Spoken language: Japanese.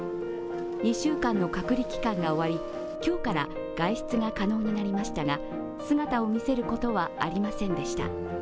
２週間の隔離期間が終わり、今日から外出が可能になりましたが姿を見せることはありませんでした。